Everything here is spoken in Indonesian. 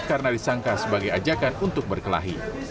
karena disangka sebagai ajakan untuk berkelahi